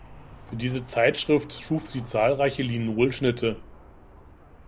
Für diese Zeitschrift schuf sie zahlreiche Linolschnitte.